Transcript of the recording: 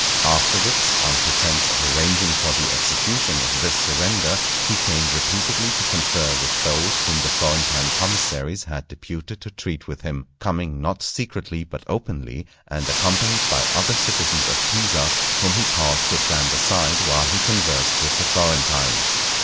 Afterwards, on pretence of arranging for the execution of this surrender, he came repeatedly to confer with those whom the Florentine commissaries had deputed to treat with him, coming not secretly but openly, and accompanied by other citizens of Pisa, whom he caused to stand aside while he conversed with the Florentines.